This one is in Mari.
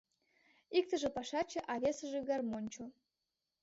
Иктыже пашаче, а весыже гармоньчо.